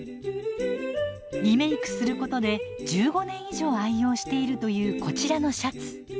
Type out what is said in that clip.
リメークすることで１５年以上愛用しているというこちらのシャツ。